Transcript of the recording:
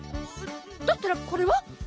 だったらこれは？